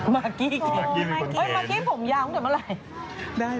มากี้มากี้ผมยาวตั้งแต่เมื่อไหร่